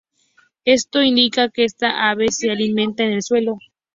Esto indica que esta ave se alimentaba en el suelo.